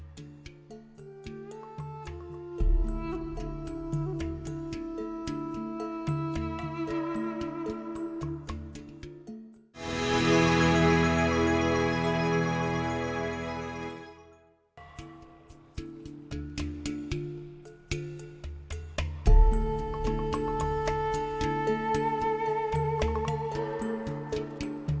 siapa yang akan menyanyikan pesta ini